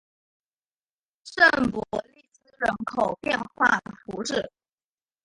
圣博利兹人口变化图示